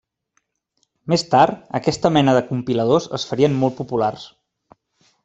Més tard aquesta mena de compiladors es farien molt populars.